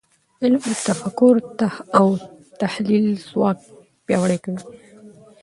علم د تفکر او تحلیل ځواک پیاوړی کوي .